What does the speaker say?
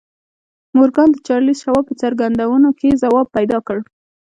مورګان د چارليس شواب په څرګندونو کې ځواب پيدا کړ.